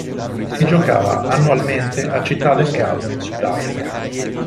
Si giocava annualmente a Città del Capo in Sudafrica.